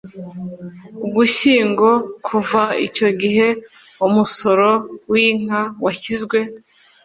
ugushyingo kuva icyo gihe umusoro w inka washyizwe